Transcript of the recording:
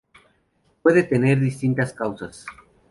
Puede tener distintas causas.